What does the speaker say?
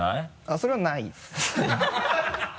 それはない？